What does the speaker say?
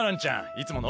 いつもの？